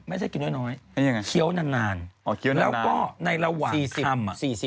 ไม่ใช่กินน้อยเคี้ยวนานแล้วก็ในระหว่าง๔๐